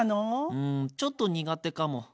うんちょっと苦手かも。